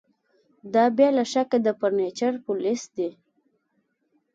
دا بې له شکه د فرنیچر پولیس دي